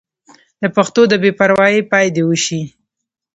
د پښتو د بې پروايۍ پای دې وشي.